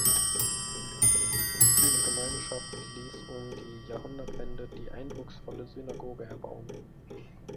Diese Gemeinschaft ließ um die Jahrhundertwende die eindrucksvolle Synagoge erbauen.